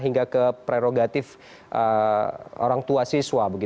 hingga ke prerogatif orang tua siswa